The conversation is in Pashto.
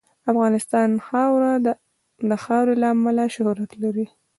افغانستان د خاوره له امله شهرت لري.